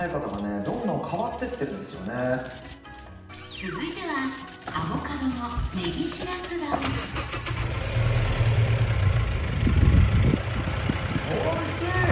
続いてはおいしい！